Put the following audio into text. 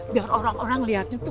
biar orang orang melihatnya tuh